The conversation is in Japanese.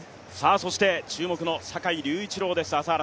そして注目の坂井隆一郎です。